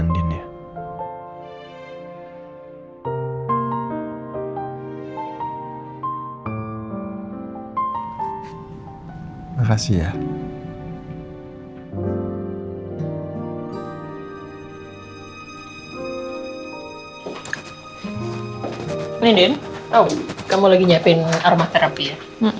nidin kamu lagi nyiapin aroma terapi ya